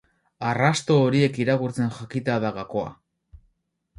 Arrasto horiek irakurtzen jakitea da gakoa.